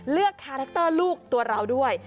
เลือกคาแร็กเตอร์ลูกตัวเราด้วย